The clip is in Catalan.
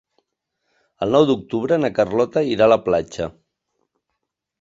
El nou d'octubre na Carlota irà a la platja.